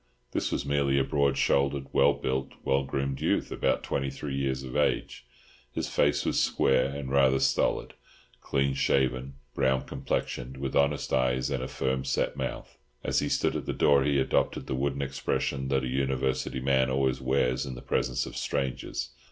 This was merely a broad shouldered, well built, well groomed youth, about twenty three years of age; his face was square and rather stolid, clean shaven, brown complexioned, with honest eyes and a firm set mouth. As he stood at the door he adopted the wooden expression that a University man always wears in the presence of strangers.